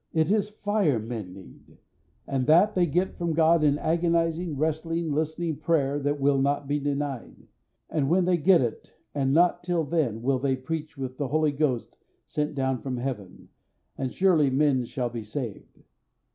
It is fire men need, and that they get from God in agonising, wrestling, listening prayer that will not be denied; and when they get it, and not till then, will they preach with the Holy Ghost sent down from Heaven, and surely men shall be saved.